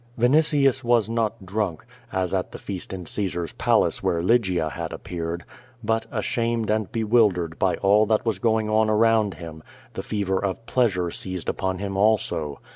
Vinitius was not drunk, as at the feast in Caesar's palace where Lygia had appeared. But ashamed and bewildered by all that was going on around him, the fev^ of pleasure seized upon him also.